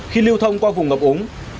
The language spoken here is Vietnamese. khi lưu thông qua vùng ngập ống